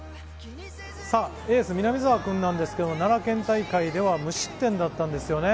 さあ、エース南澤君なんですけど、奈良県大会では無失点だったんですよね。